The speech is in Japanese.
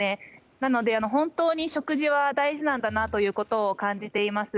なので、本当に食事は大事なんだなということを感じています。